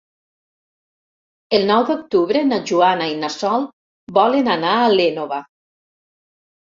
El nou d'octubre na Joana i na Sol volen anar a l'Énova.